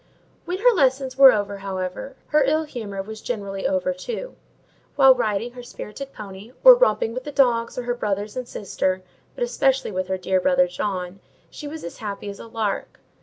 When her lessons were over, however, her ill humour was generally over too: while riding her spirited pony, or romping with the dogs or her brothers and sister, but especially with her dear brother John, she was as happy as a lark.